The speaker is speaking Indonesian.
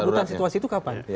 pencabutan situasi itu kapan